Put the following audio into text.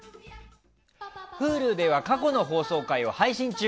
Ｈｕｌｕでは過去の放送回を配信中。